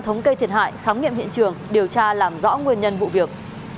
thống kê thiệt hại khám nghiệm hiện trường điều tra làm rõ nguyên nhân vụ việc